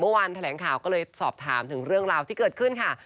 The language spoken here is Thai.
วันแถลงข่าวก็เลยสอบถามถึงเรื่องราวที่เกิดขึ้นค่ะ